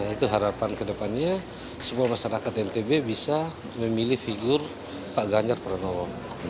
itu harapan kedepannya semua masyarakat ntb bisa memilih figur pak ganjar pranowo